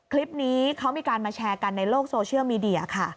คลิปนี้เขามีการมาแชร์กันในโลกโซเชียลมีเดียค่ะ